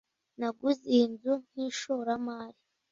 Naguze iyi nzu nkishoramari.